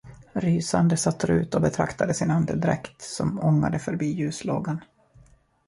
Rysande satt Rut och betraktade sin andedräkt, som ångade förbi ljuslågan.